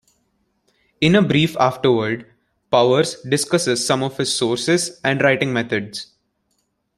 In a brief afterword, Powers discusses some of his sources and writing methods.